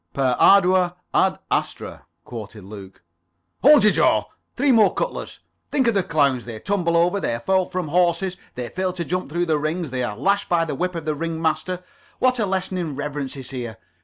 "'Per ardua ad astra,'" quoted Luke. "Hold your jaw. Three more cutlets. Think of the clowns. They tumble over, they fall from horses, they fail to jump through the rings. They are lashed by the whip of the ring master. What a lesson in reverence is here.